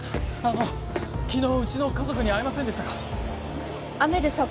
あの昨日うちの家族に会いませんでしたか？